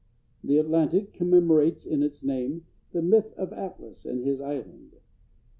] The Atlantic commemorates in its name the myth of Atlas and his island.